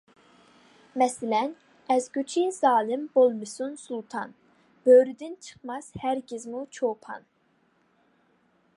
مەسىلەن: ئەزگۈچى زالىم بولمىسۇن سۇلتان، بۆرىدىن چىقماس ھەرگىزمۇ چوپان.